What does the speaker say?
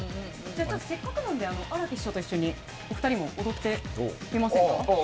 せっかくなので荒木師匠と一緒にお二人も踊ってみませんか？